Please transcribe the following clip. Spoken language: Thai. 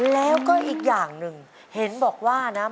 แล้วก็อีกอย่างหนึ่งเห็นบอกว่านะ